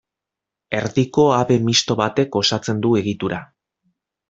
Erdiko habe misto batek osatzen du egitura.